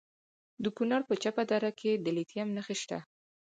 د کونړ په چپه دره کې د لیتیم نښې شته.